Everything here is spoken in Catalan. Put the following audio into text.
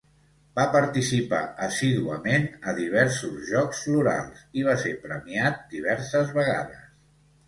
Va participar assíduament a diversos Jocs Florals i va ser premiat diverses vegades.